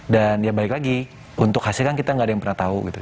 dan ya balik lagi untuk hasilnya kita nggak ada yang pernah tahu gitu